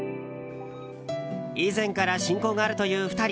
以前から親交があるという２人。